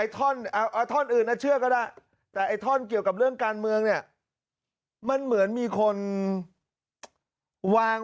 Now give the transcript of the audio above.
ตอนต้องเพลียบแรงเหรอที่เป็น